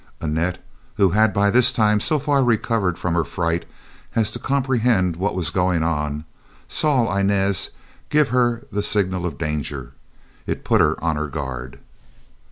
Annette, who had by this time so far recovered from her fright as to comprehend what was going on, saw Inez give her the signal of danger. It put her on her guard.